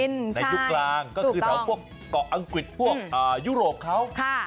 ในยุคกลางก็คือแถวพวกเกาะอังกฤษพวกยุโรปเขา